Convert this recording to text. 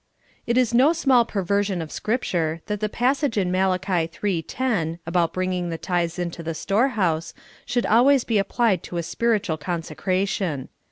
IT is no small perversion of Scripture that the passage in Malachi 3: lo, about bringing the tithes into the storehouse, should always be applied to a spiritual con secration.